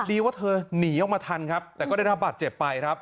ดีว่าเธอหนีออกมาทันครับแต่ก็ได้รับบาดเจ็บไปครับ